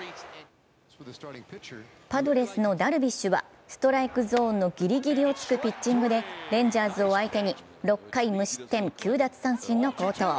パドレスのダルビッシュはストライクゾーンのギリギリをつくピッチングでレンジャーズを相手に６回無失点、９奪三振の好投。